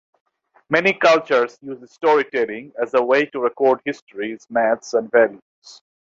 Many cultures use storytelling as a way to record histories, myths, and values.